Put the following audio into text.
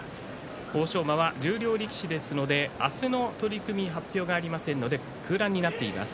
欧勝馬は十両力士ですので明日の取組発表がありませんので空欄になっています。